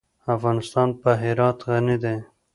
افغانستان په هرات غني دی.